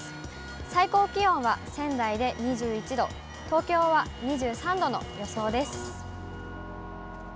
最高気温は仙台で２１度、東京は２３度の予想です。